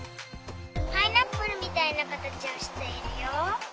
パイナップルみたいなかたちをしているよ。